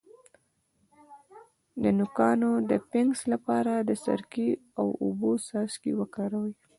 د نوکانو د فنګس لپاره د سرکې او اوبو څاڅکي وکاروئ